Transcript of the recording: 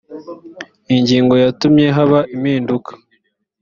iyi ngingo yatumye haba impinduka